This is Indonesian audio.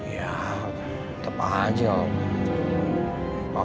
ya tepat aja pak